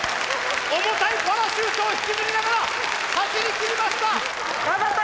重たいパラシュートを引きずりながら走りきりました！